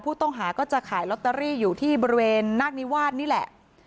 ผู้ต้องหาก็จะขายลอตเตอรี่อยู่ที่บริเวณนาคนิวาสนี่แหละ